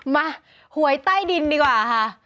หวยใต้ดินดีกว่าค่ะ